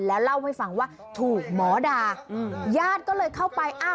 แล้วเล่าให้ฟังว่าถูกหมอด่าอืมญาติก็เลยเข้าไปอ้าว